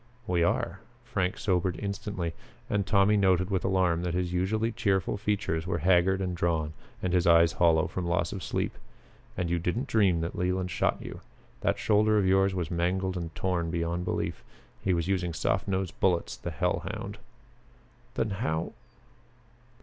"We are." Frank sobered instantly, and Tommy noted with alarm that his usually cheerful features were haggard and drawn and his eyes hollow from loss of sleep. "And you didn't dream that Leland shot you. That shoulder of yours was mangled and torn beyond belief. He was using soft nosed bullets, the hell hound!" "Then how